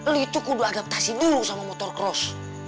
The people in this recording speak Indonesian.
lu itu kudu adaptasi dulu sama motor cross